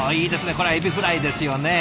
これはエビフライですよね！